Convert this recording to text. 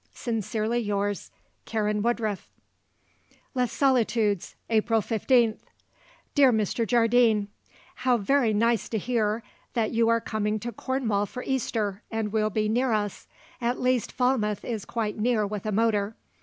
Sincerely yours, "Karen Woodruff." "Les Solitudes, "April 15th. "Dear Mr. Jardine, How very nice to hear that you are coming to Cornwall for Easter and will be near us at least Falmouth is quite near with a motor.